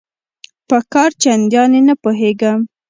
په کار چنداني نه پوهیږي